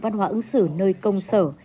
văn hóa ứng xử nơi công sở